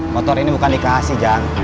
motor ini bukan dikasih jangan